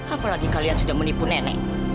apalagi kalian sudah menipu nenek